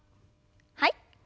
はい。